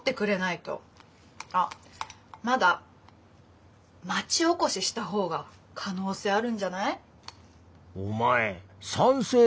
あっまだ町おこしした方が可能性あるんじゃない？